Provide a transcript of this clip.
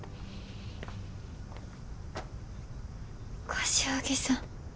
柏木さん。